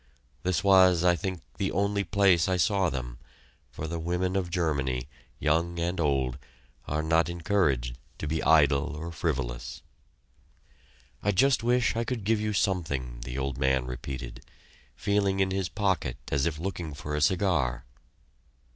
This was, I think, the only place I saw them, for the women of Germany, young and old, are not encouraged to be idle or frivolous. "I just wish I could give you something," the old man repeated, feeling in his pocket as if looking for a cigar.